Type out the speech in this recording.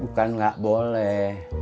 bukan gak boleh